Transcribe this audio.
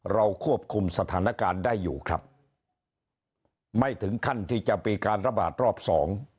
เราควบคุมสถานการณ์ได้อยู่ครับไม่ถึงขั้นที่จะมีการระบาดรอบสอง